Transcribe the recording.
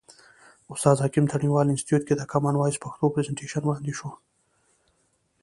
استاد حکیم تڼیوال انستیتیوت کې د کامن وایس پښتو پرزنټیشن وړاندې شو.